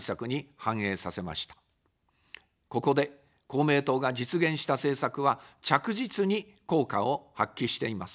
ここで公明党が実現した政策は、着実に効果を発揮しています。